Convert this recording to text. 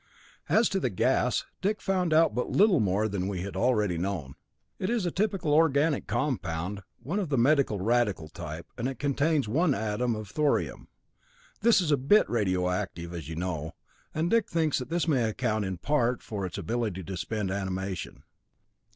"As to the gas, Dick found out but little more than we had already known. It is a typical organic compound, one of the metal radical type, and contains one atom of thorium. This is a bit radioactive, as you know, and Dick thinks that this may account in part for its ability to suspend animation.